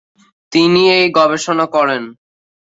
তিনি এই গবেষণা করেন।